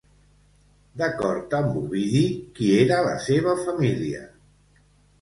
D'acord amb Ovidi, qui era la seva família?